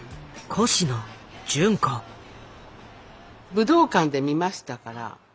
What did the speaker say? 武道館で見ましたから。